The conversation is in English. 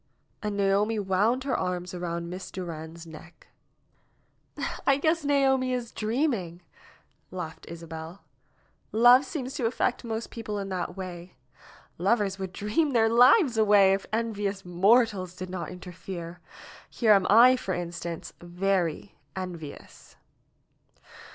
And Naomi wound her arms around Miss Durand's neck. "I guess Naomi is dreaming," laughed Isabel. "Love seems to affect most people in that way. Lovers would dream their lives away if envious mortals did not inter fere. Here am I, for instance, very envious."